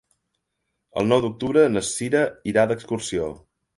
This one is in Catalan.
El nou d'octubre na Cira irà d'excursió.